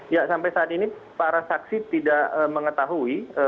ya sampai saat ini para saksi tidak mengetahui